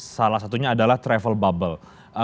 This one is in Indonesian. salah satunya adalah travel bubble